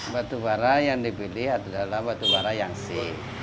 batubara yang dipilih adalah batubara yang si